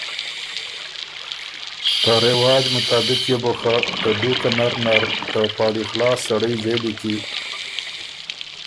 ته رواج مطابق يې بو خه ته دُوکه نر نر ته پاړی خلاص سړئ ځېلي کی